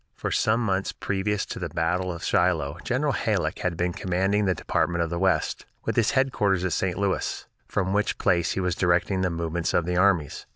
For some months previous to the battle of Shiloh General Halleck had been commanding the Department of the West, with his headquarters at St. Louis, from which place he was directing the movements of the armies.